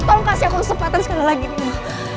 tolong kasih aku kesempatan sekali lagi nih